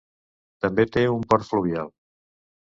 També té un port fluvial.